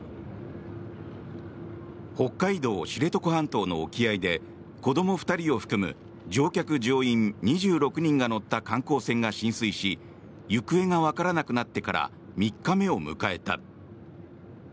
北海道・知床半島の沖合で子ども２人を含む乗客・乗員２６人が乗った観光船が浸水し行方がわからなくなってから３日目を迎えた。